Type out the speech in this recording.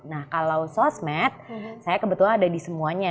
nah kalau sosmed saya kebetulan ada di semuanya